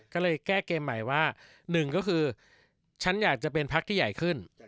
ก็เลยแก้เกมใหม่ว่าหนึ่งก็คือฉันอยากจะเป็นพักที่ใหญ่ขึ้น